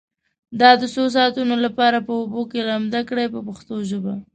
دا د څو ساعتونو لپاره په اوبو کې لامده کړئ په پښتو ژبه.